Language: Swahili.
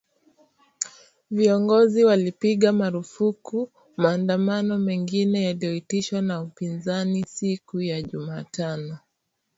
Viongozi walipiga marufuku maandamano mengine yaliyoitishwa na upinzani siku ya Jumatano